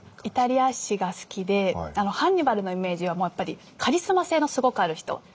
イタリア史が好きでハンニバルのイメージはもうやっぱりカリスマ性のすごくある人。